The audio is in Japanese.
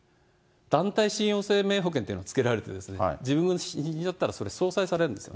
団体信用生命保険っていうのがつけられると、自分が死んじゃったらそれ、相殺されるんです。